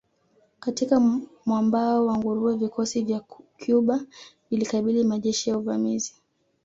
Katika mwambao wa nguruwe vikosi vya Cuba vilikabili majeshi ya uvamizi